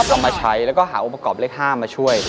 เอามาใช้แล้วก็หาองค์ประกอบเลข๕มาช่วย